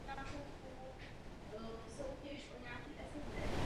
Motor a převodovka netvoří jeden celek.